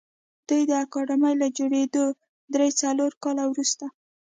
دوی د اکاډمۍ له جوړېدو درې څلور کاله وروسته